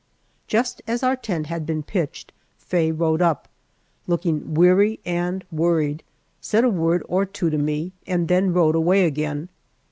Just as our tent had been pitched Faye rode up, looking weary and worried, said a word or two to me, and then rode away again.